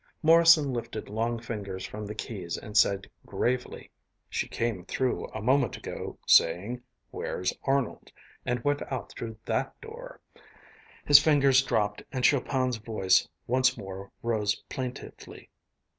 Morrison lifted long fingers from the keys and said gravely, "She came through a moment ago, saying, 'Where's Arnold?' and went out through that door." His fingers dropped and Chopin's voice once more rose plaintively.